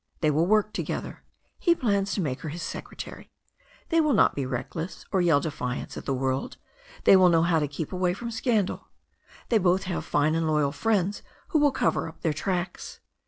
They will work together. He plans to make her his secre tary. They will not be reckless, or yell defiance at the world. They will know how to keep away from scandal. They both have fine and loyal friends who will cover up their tracks.